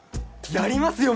やりますよ